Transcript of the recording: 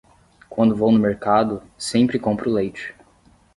Quando vou no mercado, sempre compro leite.